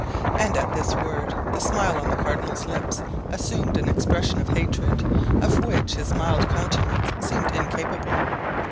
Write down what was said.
'" And at this word the smile on the cardinal's lips assumed an expression of hatred, of which his mild countenance seemed incapable.